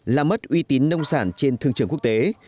làm mất uy tín nông sản trên thương trường quốc tế